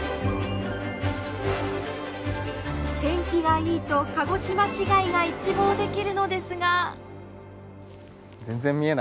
天気がいいと鹿児島市街が一望できるのですが。